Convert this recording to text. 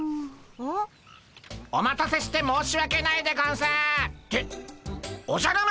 うん？お待たせして申し訳ないでゴンスっておじゃる丸！